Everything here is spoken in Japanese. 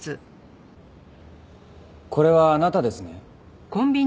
これはあなたですね？